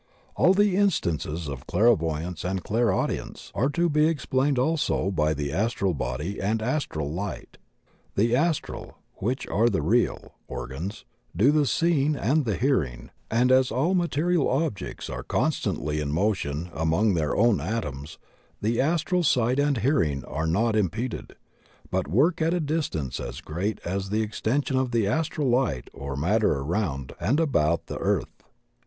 All the instances of clairvoyance and clairaudience are to be explained also by the astral body and astral light. The astral — ^which are the real — organs, do die seeing and the hearing, and as all material objects are constantly in motion among their own atoms the astral sight and hearing are not im peded, but work at a distance as great as the extension of the astral light or matter around and about the earth.